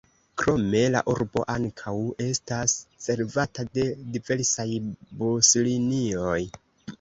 Krome la urbo ankaŭ estas servata de diversaj buslinioj.